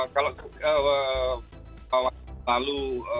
kalau kalau lalu